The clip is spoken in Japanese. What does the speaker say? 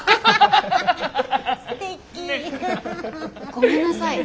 ごめんなさい。